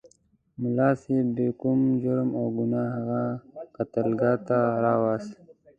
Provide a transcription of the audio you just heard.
ملا صاحب بې کوم جرم او ګناه هغه قتلګاه ته راوست.